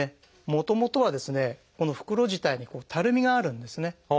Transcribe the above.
もともとはこの袋自体にたるみがあるんですね。